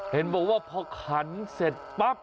เห็นบอกว่าพอขันเสร็จปั๊บ